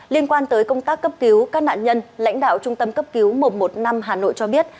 liên quan tới công tác cấp cứu các nạn nhân lãnh đạo trung tâm cấp cứu một trăm một mươi năm hà nội cho biết